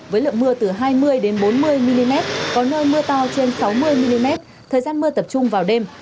với lượng mưa từ hai mươi bốn mươi mm có nơi mưa to trên sáu mươi mm thời gian mưa tập trung vào đêm